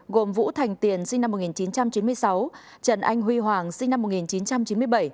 gồm vũ thành tiền sinh năm một nghìn chín trăm chín mươi sáu trần anh huy hoàng sinh năm một nghìn chín trăm chín mươi bảy